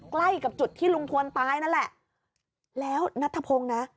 ใกล้กับจุดที่ลุงพลตายนั่นแหละแล้วนัทธพงศ์นะ